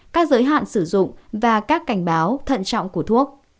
các giới hạn sử dụng và các cảnh báo thận trọng của thuốc